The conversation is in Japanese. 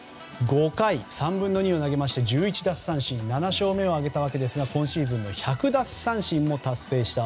５回３分の２を投げまして１１奪三振で７勝目を挙げたわけですが今シーズンの１００奪三振も達成しました。